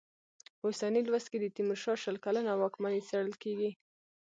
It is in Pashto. په اوسني لوست کې د تېمورشاه شل کلنه واکمني څېړل کېږي.